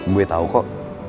gue tau kok